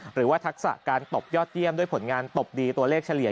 ทักษะการตบยอดเยี่ยมด้วยผลงานตบดีตัวเลขเฉลี่ย